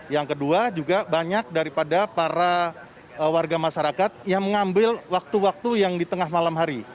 yang kedua juga banyak daripada para warga masyarakat yang mengambil waktu waktu yang di tengah malam hari